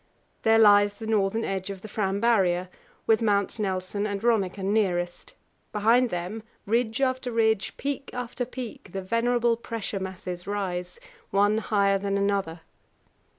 There lies the northern edge of the Fram Barrier, with Mounts Nelson and Rönniken nearest; behind them, ridge after ridge, peak after peak, the venerable pressure masses rise, one higher than another.